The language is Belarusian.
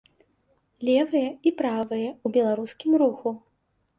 Левыя і правыя ў беларускім руху.